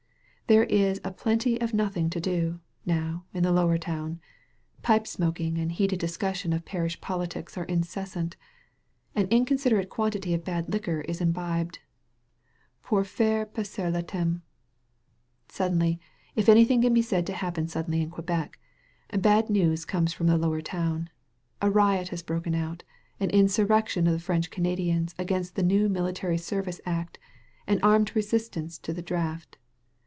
There is a plenty of nothing to do, now, in the Lower Town; pipe smoking and heated discussion of parish politics are incessant; an inconsiderate quantity of bad liquor is imbibed, pour f aire passer le temps. Suddenly — ^if anything can be said to happen suddenly in Quebec — ^bad news comes from the Lower Town. A riot has broken out, an insurrec tion of the French Canadians against the new mili tary service act, an armed resistance to the draft.